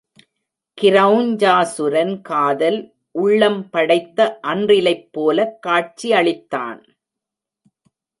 கிரெளஞ்சாசுரன் காதல் உள்ளம் படைத்த அன்றிலைப் போலக் காட்சி அளித்தான்.